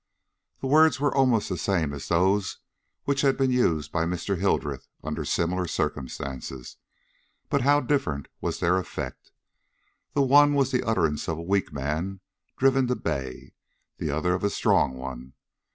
The words were almost the same as those which had been used by Mr. Hildreth under similar circumstances, but how different was their effect! The one was the utterance of a weak man driven to bay, the other of a strong one.